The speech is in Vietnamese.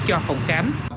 cho phòng khám